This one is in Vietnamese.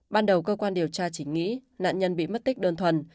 ban đầu cơ quan điều tra chỉ nghĩ nạn nhân bị mất tích đơn thuần